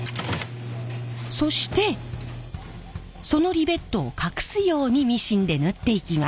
そしてそのリベットを隠すようにミシンで縫っていきます。